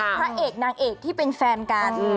พระเอกนางเอกที่เป็นแฟนกัน